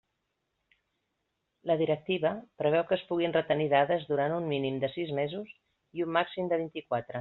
La directiva preveu que es puguin retenir dades durant un mínim de sis mesos i un màxim de vint-i-quatre.